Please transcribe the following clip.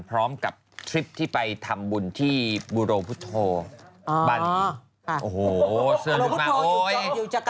พร้อมกับทริปที่ไปทำบุญที่บุโรภุทธม์บาดอีก